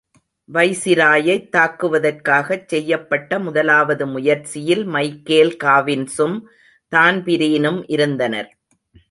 வைசிராயைத் தாக்குவதற்காகச் செய்யப்பட்ட முதலாவது முயற்சியில் மைக்கேல் காவின்ஸும் தான்பிரீனும் இருந்தனர்.